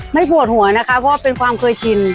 ปวดหัวนะคะเพราะว่าเป็นความเคยชิน